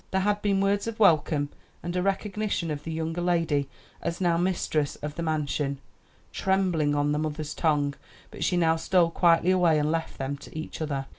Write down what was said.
There had been words of welcome and a recognition of the younger lady as now mistress of the mansion, trembling on the mother's tongue, but she now stole quietly away and left them to each other.